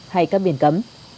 hay các biển cấm